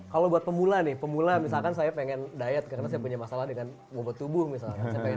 kalau buat pemula nih pemula misalkan saya pengen diet karena saya punya masalah dengan bobot tubuh misalkan saya pengen